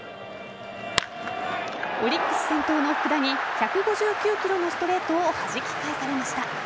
オリックス・先頭の福田に１５９キロのストレートをはじき返されました。